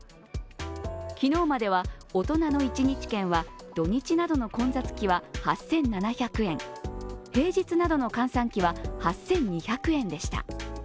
昨日までは大人の１日券は土日などの混雑期は８７００円、平日などの閑散期は８２００円でした。